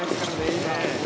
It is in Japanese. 今。